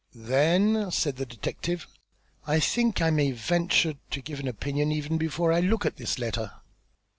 "Then," said the detective, "I think I may venture to give an opinion even before I look at this letter."